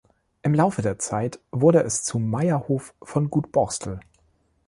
Im Laufe der Zeit wurde es zum Meierhof von Gut Borstel.